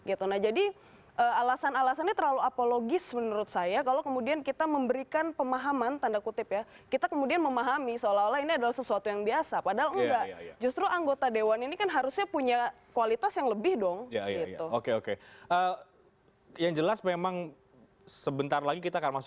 anda kembali bersama kami di prime news